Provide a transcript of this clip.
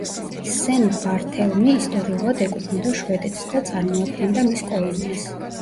სენ-ბართელმი ისტორიულად ეკუთვნოდა შვედეთს და წარმოადგენდა მის კოლონიას.